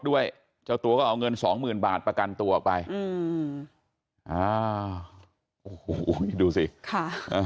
ด้วยเจ้าตัวก็เอาเงิน๒๐๐๐๐บาทประกันตัวไปดูสิค่ะ